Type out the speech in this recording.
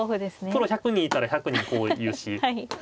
プロ１００人いたら１００人こう言うし。